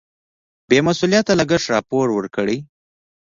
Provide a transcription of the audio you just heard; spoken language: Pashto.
بې مسؤلیته لګښت راپور ورکړي.